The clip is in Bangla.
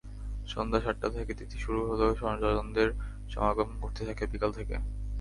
সন্ধ্যা সাতটা থেকে তিথি শুরু হলেও স্বজনদের সমাগম ঘটতে থাকে বিকেল থেকে।